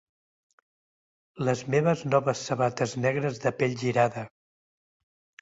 Les meves noves sabates negres de pell girada.